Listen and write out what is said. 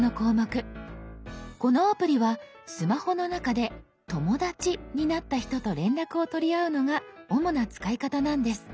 このアプリはスマホの中で「友だち」になった人と連絡を取り合うのが主な使い方なんです。